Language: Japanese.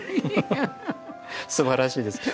すばらしいです。